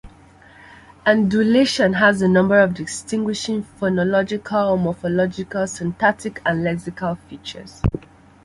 Andalusian has a number of distinguishing phonological, morphological, syntactic and lexical features.